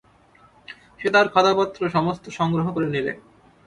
সে তার খাতাপত্র সমস্ত সংগ্রহ করে নিলে।